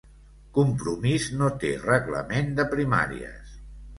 Compromís no té reglament de primàries